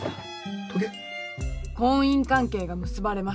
婚姻関係が結ばれました。